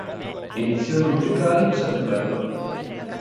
Edizioni musicali Settebello